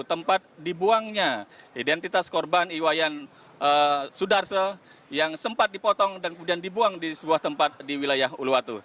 tempat dibuangnya identitas korban iwayan sudarse yang sempat dipotong dan kemudian dibuang di sebuah tempat di wilayah uluwatu